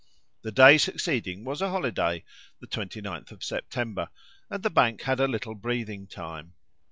The day succeeding was a holiday (the 29th of September), and the Bank had a little breathing time.